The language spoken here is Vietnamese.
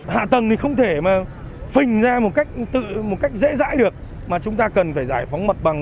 hạ tầng thì không thể mà phình ra một cách dễ dãi được mà chúng ta cần phải giải phóng mặt bằng